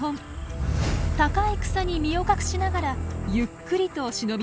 高い草に身を隠しながらゆっくりと忍び寄っています。